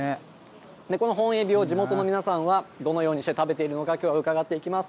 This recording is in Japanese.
この本エビを地元の皆さんはどのようにして食べているのか、きょうはうかがっていきます。